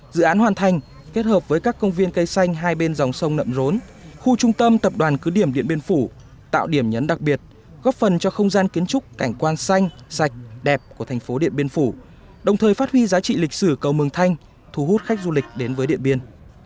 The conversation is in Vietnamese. dự án hoàn thành kết hợp với các công viên cây xanh hai bên dòng sông nậm rốn khu trung tâm tập đoàn cứ điểm điện biên phủ tạo điểm nhấn đặc biệt góp phần cho không gian kiến trúc cảnh quan xanh sạch đẹp của thành phố điện biên phủ đồng thời phát huy giá trị lịch sử cầu mường thanh thu hút khách du lịch đến với điện biên